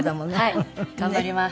はい頑張ります。